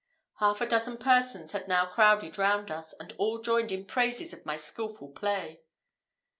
Half a dozen persons had now crowded round us, and all joined in praises of my skilful play.